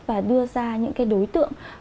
và đưa ra những đối tượng